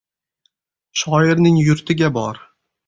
Shoirning yurtiga bor.